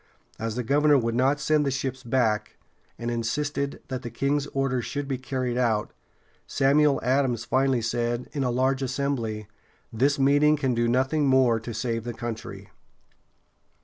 As the governor would not send the ships back, and insisted that the king's orders should be carried out, Samuel Adams finally said, in a large assembly: "This meeting can do nothing more to save the country."